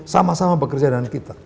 sama sama bekerja dengan kita